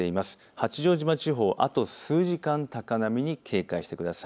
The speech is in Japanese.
八丈島地方、あと数時間高波に警戒をしてください。